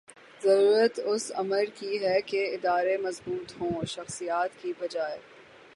ضرورت اس امر کی ہے کہ ادارے مضبوط ہوں ’’ شخصیات ‘‘ کی بجائے